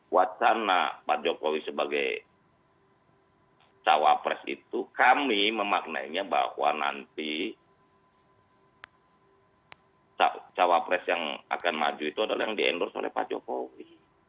wacana pak jokowi sebagai cowok presiden itu kami memaknanya bahwa nanti cowok presiden yang akan maju itu adalah yang diendorse oleh pak jokowi